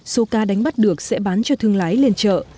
số cá đánh bắt được sẽ bán cho thương lái lên chợ